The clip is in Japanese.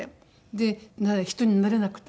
で人に慣れなくて。